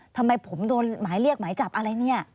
ทำไมผมโดนหมายเรียกหมายจับอะไรเนี่ย